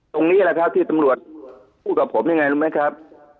ตรงนี้แหละครับที่ตำรวจพูดกับผมยังไงรู้ไหมครับ